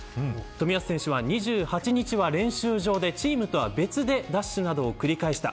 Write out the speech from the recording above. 冨安選手は２８日は練習場でチームとは別でダッシュなどを繰り返した。